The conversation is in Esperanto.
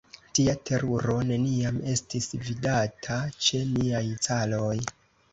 Tia teruro neniam estis vidata ĉe niaj caroj!